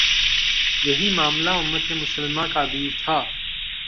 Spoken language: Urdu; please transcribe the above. یہی معاملہ امت مسلمہ کا بھی تھا۔